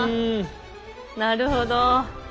なるほど。